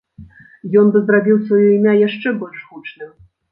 Ён бы зрабіў сваё імя яшчэ больш гучным.